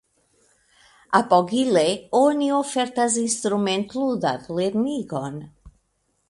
Apogile oni ofertas instrumentludadlernigon.